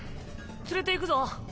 連れていくぞ。